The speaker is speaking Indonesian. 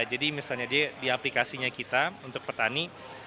jadi misalnya dia di aplikasinya kita untuk petani